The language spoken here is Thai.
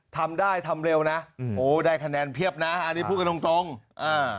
ทำได้ทำเร็วนะอืมโอ้ได้คะแนนเพียบนะอันนี้พูดกันตรงตรงอ่า